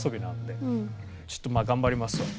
ちょっとまあ頑張りますわ。